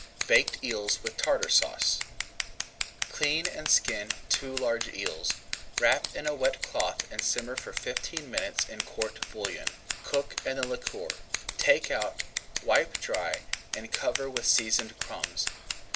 BAKED EELS WITH TARTAR SAUCE Clean and skin two large eels. Wrap in a wet cloth and simmer for fifteen minutes in court bouillon. Cook in the liquor. Take out, wipe dry, and cover with seasoned crumbs.